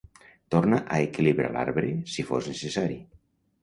Torna a equilibrar l"arbre si fos necessari.